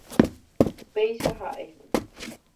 Péicha ha'e.